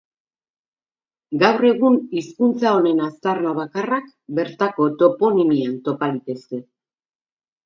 Gaur egun hizkuntza honen aztarna bakarrak bertako toponimian topa litezke.